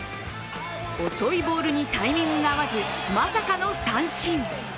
遅いボールにタイミングが合わずまさかの三振。